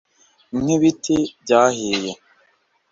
nkibiti byahiye